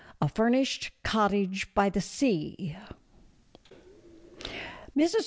A FURNISHED COTTAGE BY THE SEA MRS.